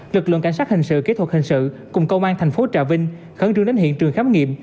lực lượng cảnh sát hình sự kỹ thuật hình sự cùng công an thành phố trà vinh khẩn trương đến hiện trường khám nghiệm